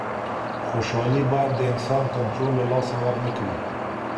خوشحالي باید د انسان کنټرول له لاسه ورنکړي.